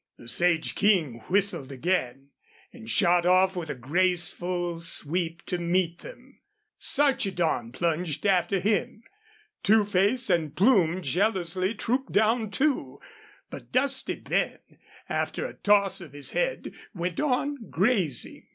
The Sage King whistled again, and shot off with graceful sweep to meet them; Sarchedon plunged after him; Two Face and Plume jealously trooped down, too, but Dusty Ben, after a toss of his head, went on grazing.